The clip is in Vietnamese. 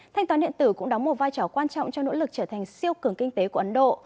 thanh toán điện tử cũng đóng một vai trò quan trọng trong nỗ lực trở thành siêu cường kinh tế của ấn độ